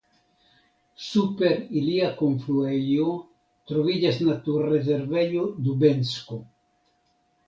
Super ilia kunfluejo troviĝas naturrezervejo Dubensko.